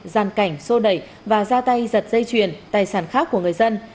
giàn cảnh sô đẩy và ra tay giật dây chuyền tài sản khác của người dân